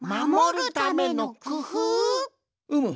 うむ。